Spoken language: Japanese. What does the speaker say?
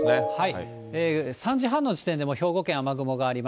３時半の時点で、もう兵庫県雨雲がありま